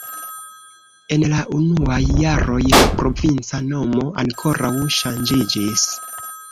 En la unuaj jaroj la provinca nomo ankoraŭ ŝanĝiĝis.